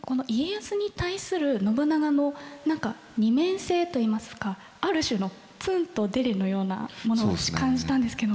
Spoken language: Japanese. この家康に対する信長の二面性といいますかある種のツンとデレのようなものを私感じたんですけども。